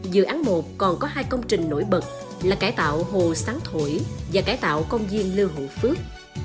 dự án một còn có hai công trình nổi bật là cải tạo hồ sáng thổi và cải tạo công viên lưu hữu phước